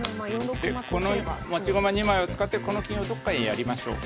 この持ち駒２枚を使ってこの金をどっかへやりましょう。